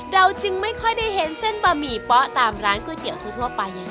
เราจึงไม่ค่อยได้เห็นเส้นบะหมี่เป๊ะตามร้านก๋วยเตี๋ยวทั่วไปยังไง